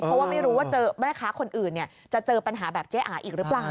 เพราะว่าไม่รู้ว่าเจอแม่ค้าคนอื่นจะเจอปัญหาแบบเจ๊อาอีกหรือเปล่า